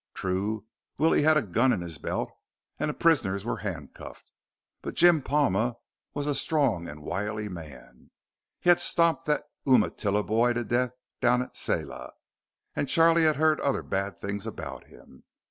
True, Willie had a gun in his belt and the prisoners were handcuffed. But Jim Palma was a strong and wily man. He had stomped that Umatilla boy to death down at Selah, and Charlie had heard other bad things about him.